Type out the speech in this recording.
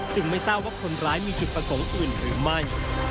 จึงไม่เศร้าว่าคนร้ายมีความผิดประสงค์อื่นหรือไม่